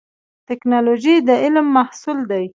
ټکنالوژي د علم محصول دی